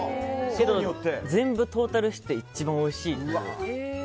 全部トータルして一番おいしい。